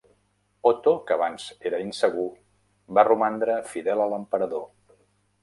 Otto, que abans era insegur, va romandre fidel a l'emperador.